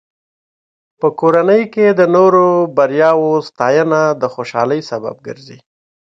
په کورنۍ کې د نورو بریاوو ستاینه د خوشحالۍ سبب ګرځي.